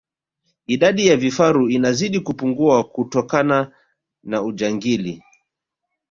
idadi ya vifaru inazidi kupungua kutokana na ujangili